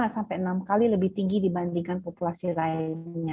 lima sampai enam kali lebih tinggi dibandingkan populasi lainnya